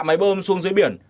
tôi hạ máy bơm xuống dưới biển